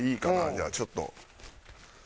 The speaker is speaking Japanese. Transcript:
じゃあちょっと。